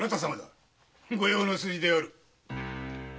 御用の筋である。